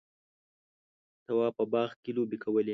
تواب په باغ کې لوبې کولې.